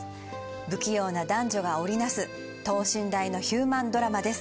不器用な男女が織りなす等身大のヒューマンドラマです。